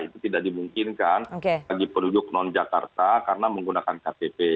itu tidak dimungkinkan bagi penduduk non jakarta karena menggunakan ktp